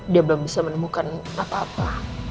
dia belum bisa menemukan apa apa